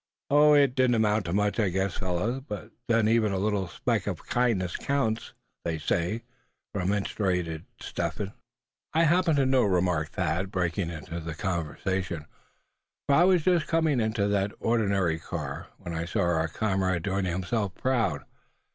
"Oh! it didn't amount to much, I guess, fellows; but then even a little speck of kindness counts, they say," remonstrated Step Hen. "I happen to know," remarked Thad, breaking into the conversation; "for I was just coming into that other ordinary car, when I saw our comrade doing himself proud.